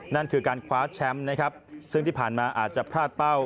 นั่นคือการคว้าแชมป์นะครับซึ่งที่ผ่านมาอาจจะพลาดเป้า